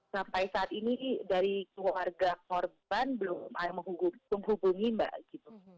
sampai saat ini dari keluarga korban belum menghubungi mbak